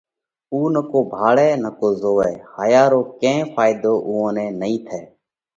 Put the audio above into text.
اُو نڪو ڀاۯئہ نڪو زوئہ، هايا رو ڪئين ڦائيڌو اُوئون نئہ نئين ٿئہ۔